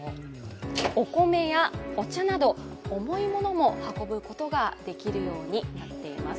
お米やお茶など重いものも運ぶことができるようになっています。